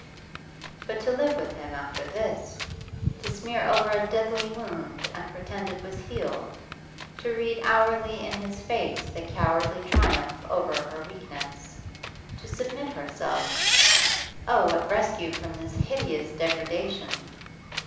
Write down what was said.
But to live with him after this, to smear over a deadly wound and pretend it was healed, to read hourly in his face the cowardly triumph over her weakness, to submit herself Oh, what rescue from this hideous degradation!